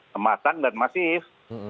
semakin matang dan masif